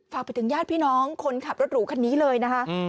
ฝากไปถึงญาติพี่น้องคนขับรถหรูคันนี้เลยนะคะ